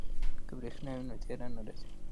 که بریښنا وي نو تیاره نه راځي.